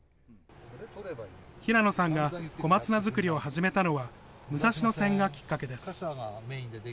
平野さんが小松菜作りを始めたのは武蔵野線がきっかけです。